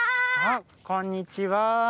あっこんにちは。